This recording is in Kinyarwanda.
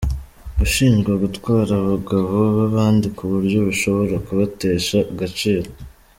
Gushinjwa gutwara abagabo b’abandi ku buryo bishobora kubatesha agaciro;.